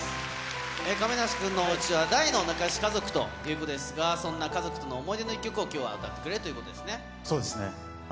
亀梨君のおうちは、大の仲よし家族ということですが、そんな家族との思い出の一曲をきょうはそうですね。